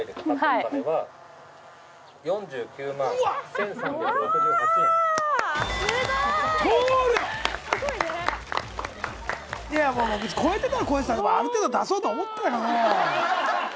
いやもう別に超えてたら超えてたである程度出そうとは思ってたけども。